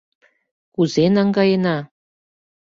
Кузе наҥгаена?